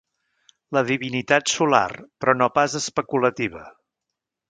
La divinitat solar, però no pas especulativa.